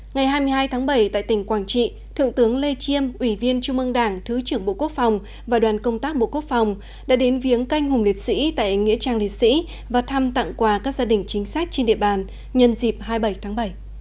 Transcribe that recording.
ngày hai mươi hai tháng bảy tại tỉnh quảng trị thượng tướng lê chiêm ủy viên trung mương đảng thứ trưởng bộ quốc phòng và đoàn công tác bộ quốc phòng đã đến viếng canh hùng liệt sĩ tại nghĩa trang liệt sĩ và thăm tặng quà các gia đình chính sách trên địa bàn nhân dịp hai mươi bảy tháng bảy